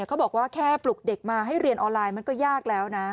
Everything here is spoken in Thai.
เขาบอกว่าแค่ปลุกเด็กมาให้เรียนออนไลน์มันก็ยากแล้วนะ